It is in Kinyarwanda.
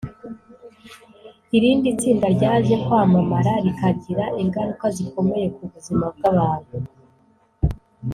irindi tsinda ryaje kwamamara rikagira ingaruka zikomeye ku buzima bw’abantu